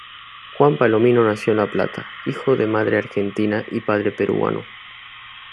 Juan Palomino nació en La Plata, hijo de madre argentina y padre peruano.